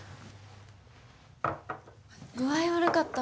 具合悪かった？